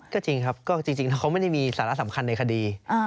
ก็จริงครับก็จริงเขาไม่ได้มีสาระสำคัญในคดี